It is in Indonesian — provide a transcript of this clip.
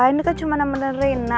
ini kan cuma nemenin rena